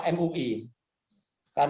karena kalau mui itu sudah pulang